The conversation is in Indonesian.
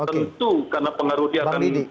tentu karena pengaruh dia akan